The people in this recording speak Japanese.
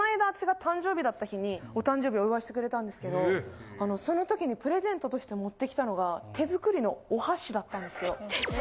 私が誕生日だった日にお誕生日お祝いしてくれたんですけどその時にプレゼントとして持って来たのが手作りのお箸だったんですよ。